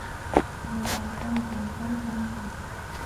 আমি জানতাম, জানতাম, জানতাম!